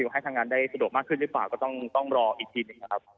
ให้ทางงานได้สะดวกมากขึ้นหรือเปล่าก็ต้องรออีกทีหนึ่งนะครับ